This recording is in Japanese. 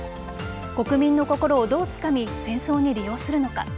国民の心をどうつかみ戦争に利用するのか。